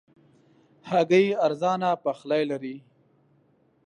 هګۍ ارزانه پخلی لري.